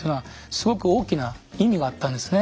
すごく大きな意味があったんですね。